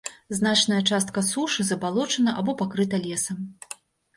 Значная частка сушы забалочана або пакрыта лесам.